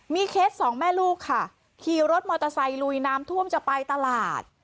เคสสองแม่ลูกค่ะขี่รถมอเตอร์ไซค์ลุยน้ำท่วมจะไปตลาด